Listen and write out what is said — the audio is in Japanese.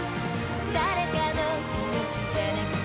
「誰かのいのちじゃなくて」